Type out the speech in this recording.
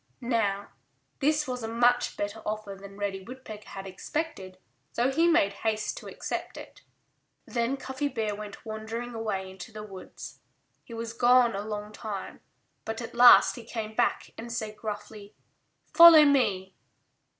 Now, this was a much better offer than Reddy Woodpecker had expected, so he made haste to accept it. Then Cuffy Bear went wandering away into the woods. He was gone a long time. But at last he came back and said gruffly, "Follow me!"